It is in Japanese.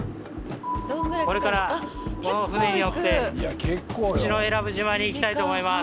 これからこの船に乗って口永良部島に行きたいと思います。